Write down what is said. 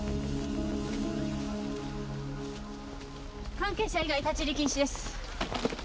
関係者以外立ち入り禁止です。